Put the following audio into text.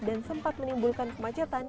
dan sempat menimbulkan kemacetan